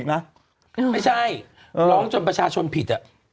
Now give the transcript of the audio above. อีกมาแก่เออไม่ใช่อือล้องจนประชาชนผิดอ่ะ